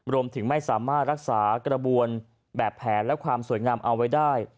รวมถึงไม่สามารถรักษากระบวนแบบแผนและความสวยงามเอาไว้ได้